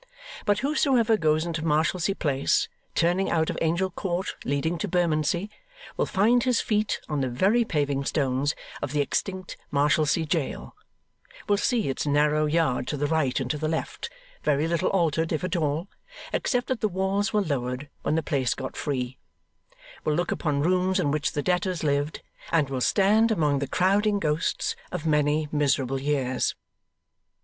But, whosoever goes into Marshalsea Place, turning out of Angel Court, leading to Bermondsey, will find his feet on the very paving stones of the extinct Marshalsea jail; will see its narrow yard to the right and to the left, very little altered if at all, except that the walls were lowered when the place got free; will look upon rooms in which the debtors lived; and will stand among the crowding ghosts of many miserable years.